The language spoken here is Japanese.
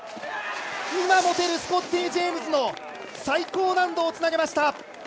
今持てるスコッティ・ジェームズの最高難度をつなげました！